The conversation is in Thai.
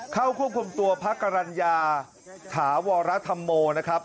เข้าควบคุมตัวพระกรรณญาถาวรธรรมโมนะครับ